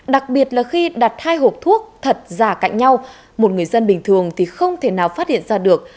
đặc biệt là khi đặt hai hộp thuốc thật giả cạnh nhau một người dân bình thường thì không thể nào phát hiện ra được